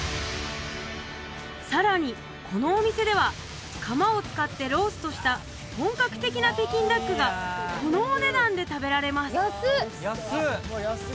さらにこのお店では窯を使ってローストした本格的な北京ダックがこのお値段で食べられます